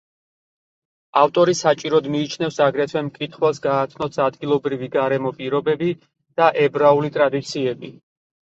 ავტორი საჭიროდ მიიჩნევს აგრეთვე მკითხველს გააცნოს ადგილობრივი გარემო პირობები და ებრაული ტრადიციები.